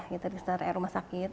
di sekitar rumah sakit